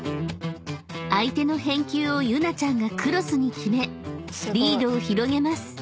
［相手の返球をユナちゃんがクロスに決めリードを広げます］